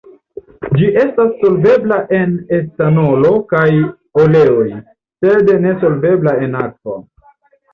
Ĝi estas solvebla en etanolo kaj oleoj, sed nesolvebla en akvo.